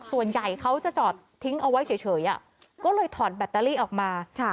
ส่วนใหญ่เขาจะจอดทิ้งเอาไว้เฉยก็เลยถอดแบตเตอรี่ออกมา